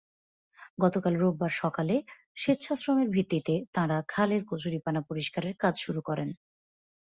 গতকাল রোববার সকালে স্বেচ্ছাশ্রমের ভিত্তিতে তাঁরা খালের কচুরিপানা পরিষ্কারের কাজ শুরু করেন।